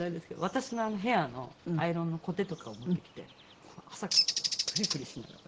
私のヘアのアイロンのコテとかを持ってきて朝からこうクリクリしながら。